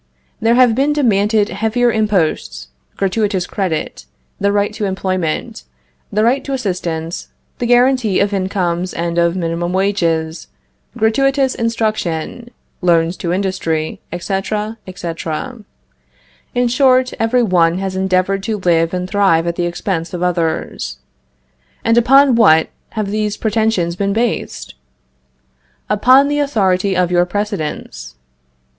There have been demanded heavier imposts, gratuitous credit, the right to employment, the right to assistance, the guaranty of incomes and of minimum wages, gratuitous instruction, loans to industry, etc., etc.; in short, every one has endeavored to live and thrive at the expense of others. And upon what have these pretensions been based? Upon the authority of your precedents.